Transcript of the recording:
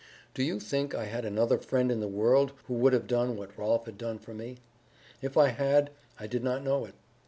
Do you think I had another friend in the world who would have done what Rolf had done for me? If I had, I did not know it.